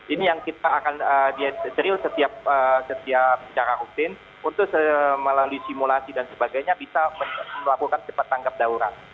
ini yang kita akan serius setiap secara rutin untuk melalui simulasi dan sebagainya bisa melakukan cepat tanggap daurat